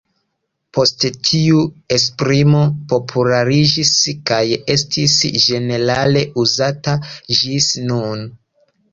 Poste tiu esprimo populariĝis kaj estis ĝenerale uzata gis nun.